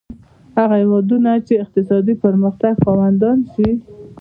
هغه هېوادونه چې اقتصادي پرمختګ خاوندان شي.